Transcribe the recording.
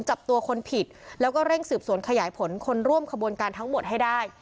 จับตัวคนผิดแล้วก็เร่งสืบสวนขยายผลคนร่วมขบวนการทั้งหมดให้ได้